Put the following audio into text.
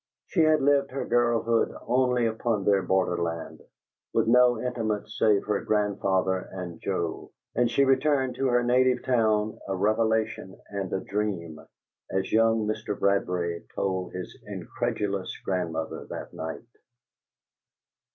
She had lived her girlhood only upon their borderland, with no intimates save her grandfather and Joe; and she returned to her native town "a revelation and a dream," as young Mr. Bradbury told his incredulous grandmother that night.